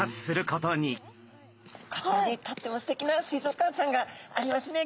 こちらにとってもすてきな水族館さんがありますね。